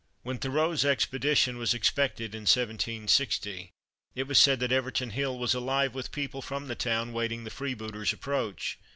When Thurot's expedition was expected in 1760, it was said that Everton Hill was alive with people from the town waiting the freebooters' approach.